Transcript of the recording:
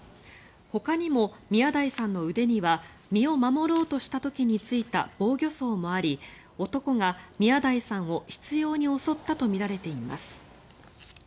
ほかにも宮台さんの腕には身を守ろうとした時についた防御創もあり男が宮台さんを執ように襲ったとみられています。